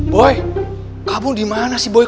boy kamu dimana sih